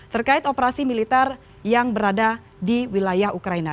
terkait operasi militer yang berada di wilayah ukraina